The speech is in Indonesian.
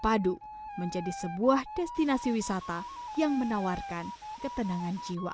padu menjadi sebuah destinasi wisata yang menawarkan ketenangan jiwa